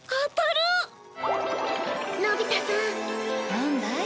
なんだい？